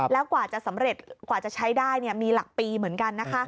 แล้วกว่าจะสำเร็จกว่าจะใช้ได้มีหลักปีเหมือนกันนะคะ